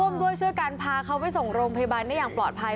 ร่วมด้วยช่วยกันพาเขาไปส่งโรงพยาบาลได้อย่างปลอดภัย